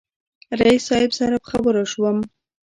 رئیس صاحب سره په خبرو شوم.